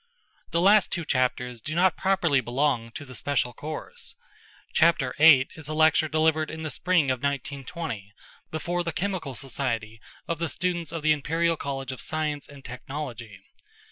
The last two chapters do not properly belong to the special course. Chapter VIII is a lecture delivered in the spring of 1920 before the Chemical Society of the students of the Imperial College of Science and Technology.